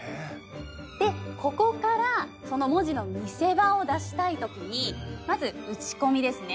でここからその文字の見せ場を出したいときにまずうちこみですね。